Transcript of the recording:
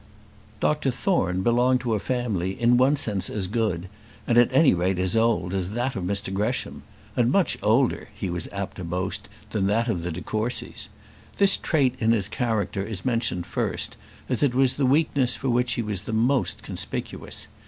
Dr Thorne belonged to a family in one sense as good, and at any rate as old, as that of Mr Gresham; and much older, he was apt to boast, than that of the de Courcys. This trait in his character is mentioned first, as it was the weakness for which he was most conspicuous.